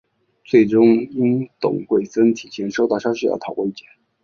最终因董桂森提前收到消息而逃过一劫。